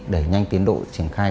đẩy nhanh tiến độ triển khai